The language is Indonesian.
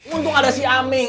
untung ada si aming